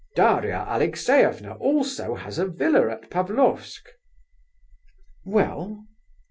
"Daria Alexeyevna also has a villa at Pavlofsk." "Well?"